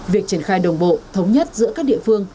việc triển khai đồng bộ thống nhất giữa các địa phương